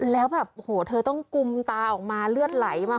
แล้วแบบโอ้โหเธอต้องกุมตาออกมาเลือดไหลมา